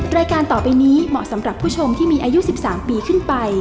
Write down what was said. รายการต่อไปนี้เหมาะสำหรับผู้ชมที่มีอายุ๑๓ปีขึ้นไป